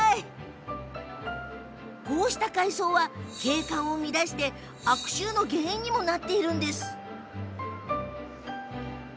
こうした海藻は、景観を乱して悪臭の原因にもなっているんです。